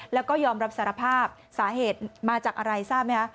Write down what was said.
แล้วก็ยอมรับสารภาพสาเหตุมาจากอะไรทราบไหมคะ